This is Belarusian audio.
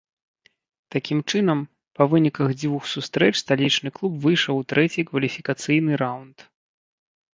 Такім чынам, па выніках дзвюх сустрэч сталічны клуб выйшаў у трэці кваліфікацыйны раўнд.